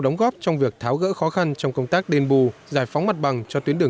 đóng góp trong việc tháo gỡ khó khăn trong công tác đền bù giải phóng mặt bằng cho tuyến đường